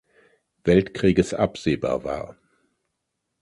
Weltkrieges absehbar war.